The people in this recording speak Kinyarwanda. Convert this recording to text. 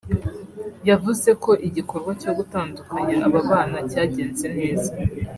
yavuze ko igikorwa cyo gutandukanya aba bana cyagenze neza